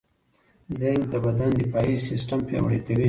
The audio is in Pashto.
زېنک د بدن دفاعي سیستم پیاوړی کوي.